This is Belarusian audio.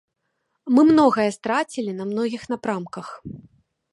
Мы многае страцілі на многіх напрамках.